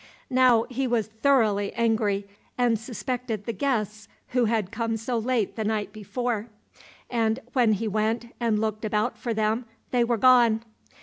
Now he was thoroughly angry, and suspected the guests who had come so late the night before, and when he went and looked about for them, they were gone.